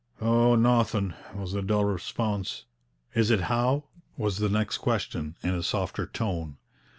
'Oh, nauthin',' was the dull response. 'Is it Howe?' was the next question, in a softer tone.